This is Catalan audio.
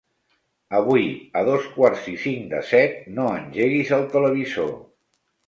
Avui a dos quarts i cinc de set no engeguis el televisor.